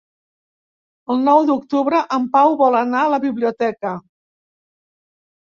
El nou d'octubre en Pau vol anar a la biblioteca.